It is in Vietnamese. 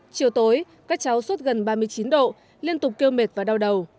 chiều tối các cháu sốt gần ba mươi chín độ liên tục kêu mệt và đau đầu